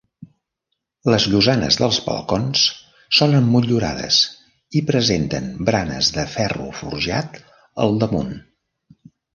Les llosanes dels balcons són emmotllurades i presenten baranes de ferro forjat al damunt.